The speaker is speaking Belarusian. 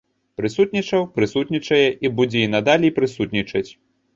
Прысутнічаў, прысутнічае і будзе і надалей прысутнічаць.